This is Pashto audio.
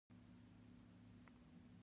دواړې ور ننوتې او په کونج کې غلې کېناستې.